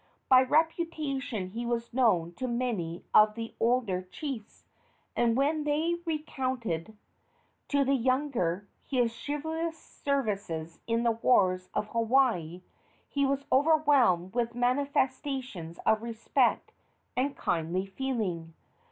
By reputation he was known to many of the older chiefs, and when they recounted to the younger his chivalrous services in the wars of Hawaii he was overwhelmed with manifestations of respect and kindly feeling.